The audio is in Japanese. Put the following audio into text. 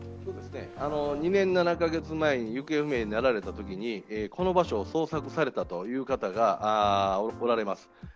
２年７カ月前に行方不明になられたときにこの場所を捜索されたという方がおられます。